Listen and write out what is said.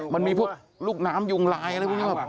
มันมีพวกลูกน้ำยุงลายอะไรพวกนี้แบบ